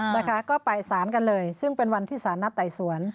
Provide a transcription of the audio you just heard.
นะคะก็ไปสารกันเลยซึ่งเป็นวันที่สารนัดไต่สวน